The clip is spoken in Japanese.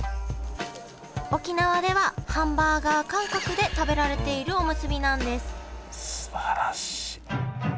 沖縄ではハンバーガー感覚で食べられているおむすびなんですすばらしい。